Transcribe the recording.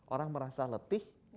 orang merasa letih